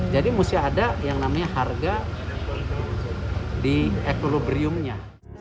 jadi mesti ada yang namanya harga di eklobriumnya